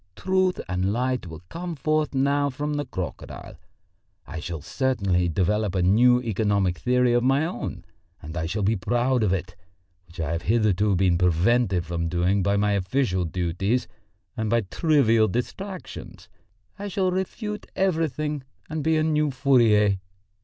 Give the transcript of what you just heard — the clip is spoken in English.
Truth and light will come forth now from the crocodile. I shall certainly develop a new economic theory of my own and I shall be proud of it which I have hitherto been prevented from doing by my official duties and by trivial distractions. I shall refute everything and be a new Fourier.